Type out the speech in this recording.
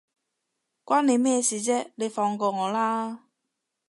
關你咩事啫，你放過我啦